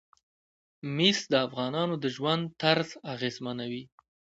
مس د افغانانو د ژوند طرز اغېزمنوي.